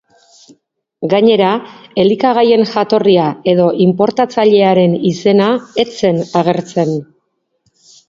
Gainera, elikagaien jatorria edo inportatzailearen izena ez zen agertzen.